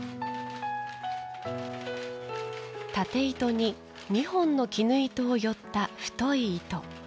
たて糸に２本の絹糸をよった太い糸。